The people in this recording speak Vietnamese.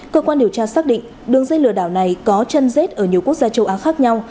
cơ quan điều tra xác định đường dây lừa đảo này có chân rết ở nhiều quốc gia châu á khác nhau